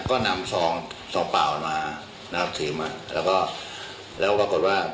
ก็นำซองซองเปล่ามานะครับถือมาแล้วก็แล้วปรากฏว่า